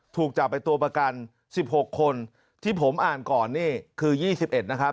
ถูกจับไปตัวประกัน๑๖คนที่ผมอ่านก่อนนี่คือ๒๑นะครับ